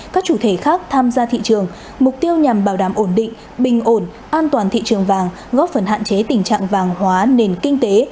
các chủ thể khác tham gia thị trường mục tiêu nhằm bảo đảm ổn định bình ổn an toàn thị trường vàng góp phần hạn chế tình trạng vàng hóa nền kinh tế